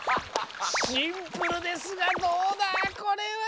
シンプルですがどうだこれは？